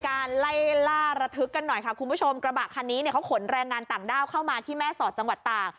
การไล่ล่าระทึกกันหน่อยค่ะคุณผู้ชมกระบะคันนี้เนี่ยเขาขนแรงงานต่างด้าวเข้ามาที่แม่สอดจังหวัดตาก